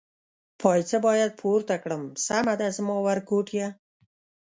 پایڅه باید پورته کړم، سمه ده زما ورکوټیه.